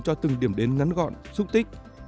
cho từng điểm đến ngắn gọn xúc tích